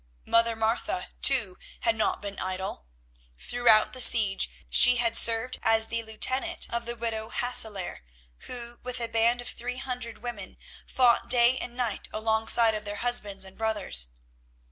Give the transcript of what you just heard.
Mother Martha, too, had not been idle. Throughout the siege she had served as the lieutenant of the widow Hasselaer, who with a band of three hundred women fought day and night alongside of their husbands and brothers.